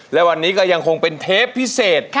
และวันนี้ก็ยังคงเป็นเทปพิเศษ